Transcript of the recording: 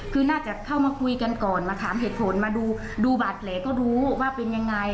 คือน่าจะเข้ามาคุยกันก่อนมาถามเหตุผลมาดูดูบาดแผลก็รู้ว่าเป็นยังไง